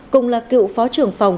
cùng là cựu phó trưởng phòng